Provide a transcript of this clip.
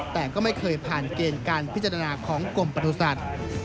แต่ก็ไม่เคยผ่านเกณฑ์การพิจารณาของกรมประสุทธิ์